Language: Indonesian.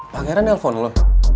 pangeran telpon lo